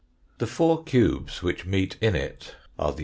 The four cubes which meet in it are the \i * S g